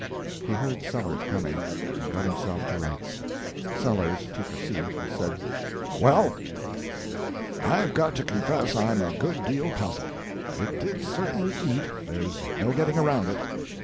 He heard Sellers coming, and got himself to rights. Sellers took a seat, and said: "Well, I've got to confess I'm a good deal puzzled. It did certainly eat, there's no getting around it.